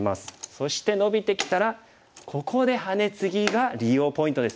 そしてノビてきたらここでハネツギが利用ポイントですね。